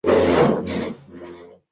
আশা করি ভালোই গেছে।